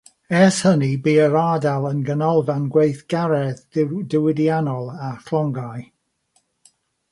Ers hynny, bu'r ardal yn ganolfan gweithgaredd diwydiannol a llongau.